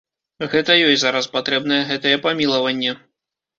Гэта ёй зараз патрэбнае гэтае памілаванне.